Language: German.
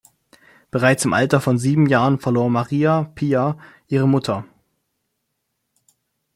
Bereits im Alter von sieben Jahren verlor Maria Pia ihre Mutter.